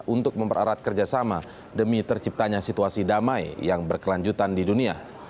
untuk memperarat kerjasama demi terciptanya situasi damai yang berkelanjutan di dunia